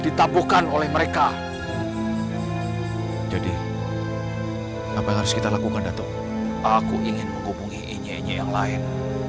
ditabuhkan oleh mereka jadi apa yang harus kita lakukan datang aku ingin menghubungi enya yang lain